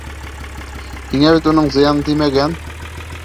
Һиңә бит уның зыяны теймәгән.